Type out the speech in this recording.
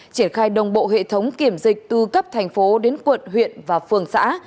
triển khai đồng bộ hệ thống kiểm dịch từ cấp thành phố đến quận huyện và phường xã